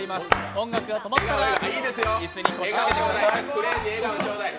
音楽が止まったら椅子に腰掛けてください。